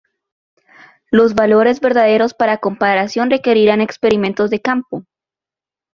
Los valores verdaderos para comparación requerirán experimentos de campo.